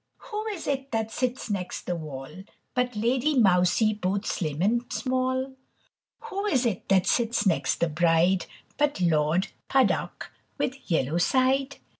Who is it that sits next the wall But Lady Mousie both slim and small? Who is it that sits next the bride But Lord Puddock with yellow side?